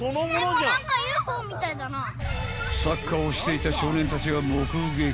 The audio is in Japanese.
［サッカーをしていた少年たちが目撃］